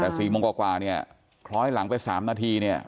แต่สี่โมงกว่ากว่าเนี้ยเพราะให้หลังไปสามนาทีเนี้ย